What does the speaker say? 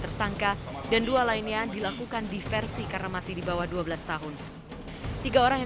tersangka dan dua lainnya dilakukan diversi karena masih di bawah dua belas tahun tiga orang yang